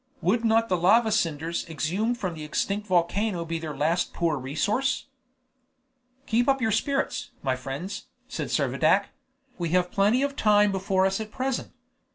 Would not the lava cinders exhumed from the extinct volcano be their last poor resource? "Keep up your spirits, my friends," said Servadac; "we have plenty of time before us at present.